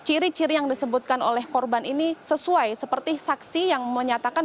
ini yang seharusnya